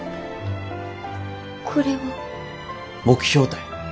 これは？目標たい。